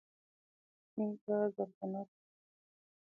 چينکه زرغونه ده